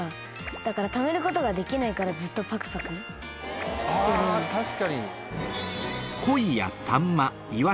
だからためることができないからずっとパクパクしてるんです。